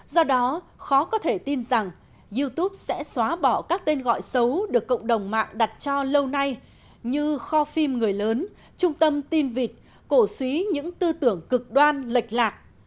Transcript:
do đó khó có thể tin rằng youtube sẽ xóa bỏ các tên gọi xấu được cộng đồng mạng đặt cho lâu nay như kho phim người lớn trung tâm tin vịt cổ suý những tư tưởng cực đoan lệch lạc